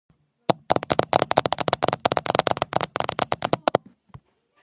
ნაკრები იმყოფება ნიგერიის ფეხბურთის ფედერაციის კონტროლის ქვეშ.